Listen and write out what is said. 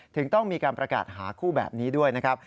ถึงต้องมีการประกาศหาคู่แบบนี้ด้วยนะครับ